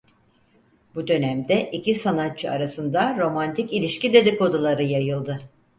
Bu dönemde iki sanatçı arasında romantik ilişki dedikoduları yayıldı.